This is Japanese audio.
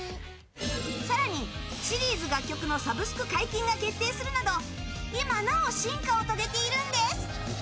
更にシリーズ楽曲のサブスク解禁が決定するなど今なお進化を遂げているんです。